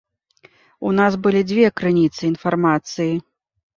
У нас былі дзве крыніцы інфармацыі.